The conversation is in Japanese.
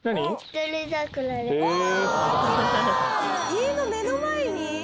「家の目の前に？」